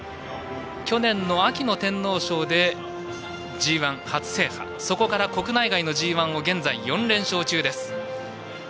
去年の秋の天皇賞でＧＩ初制覇そこから国内外のＧＩを現在４連勝中です。